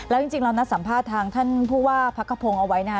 แล้วจริงเรานัดสัมภาษณ์ทางท่านผู้ว่าพักกระพงศ์เอาไว้นะคะ